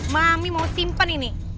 mami mau simpen ini